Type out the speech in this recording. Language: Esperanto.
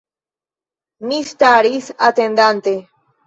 Mi staris, atendante.